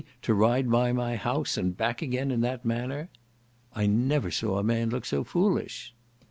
to ride by my house and back again in that manner?" I never saw a man look so foolish!"